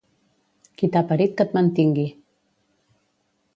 Qui t'ha parit que et mantingui